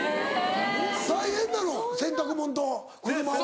大変なの洗濯物と車は。